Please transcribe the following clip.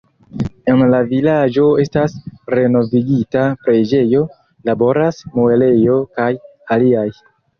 En la vilaĝo estas renovigita preĝejo, laboras muelejo kaj aliaj.